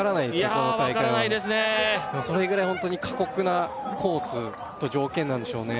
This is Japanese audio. この大会はそれぐらいホントに過酷なコースと条件なんでしょうね